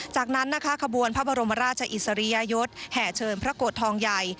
จากนั้นนะคะขบวนพระบรมราชอิสริยยศแห่เชิญพระโกรธทองใหญ่